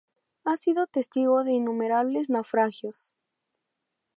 Ha sido testigo de innumerables naufragios.